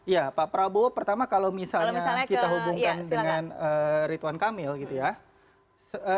ya pak prabowo pertama kalau misalnya kita hubungkan dengan ritwan kamil gitu ya